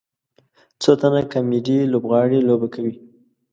څو تنه کامیډي لوبغاړي لوبه کوي.